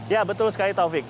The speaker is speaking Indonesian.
ya betul sekali taufik